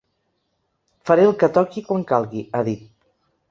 “Faré el que toqui quan calgui”, ha dit.